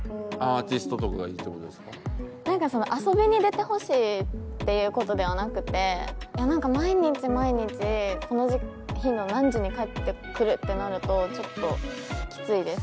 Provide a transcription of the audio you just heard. なんか遊びに出てほしいっていう事ではなくてなんか毎日毎日この日の何時に帰ってくるってなるとちょっときついです。